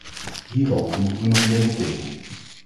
Hierover moeten we nog debatteren.